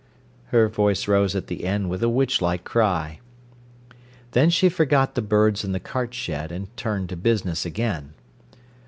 _" Her voice rose at the end with a witch like cry. Then she forgot the birds in the cart shed, and turned to business again.